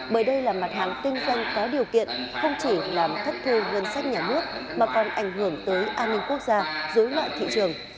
bởi đây là mặt hàng kinh doanh có điều kiện không chỉ làm thất thu ngân sách nhà nước mà còn ảnh hưởng tới an ninh quốc gia dối loạn thị trường